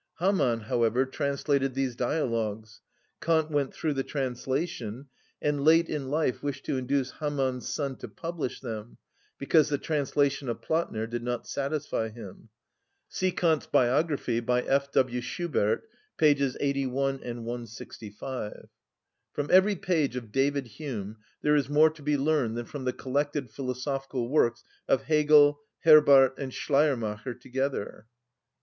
Hamann, however, translated these dialogues; Kant went through the translation, and late in life wished to induce Hamann's son to publish them because the translation of Platner did not satisfy him (see Kant's biography by F. W. Schubert, pp. 81 and 165). From every page of David Hume there is more to be learned than from the collected philosophical works of Hegel, Herbart, and Schleiermacher together.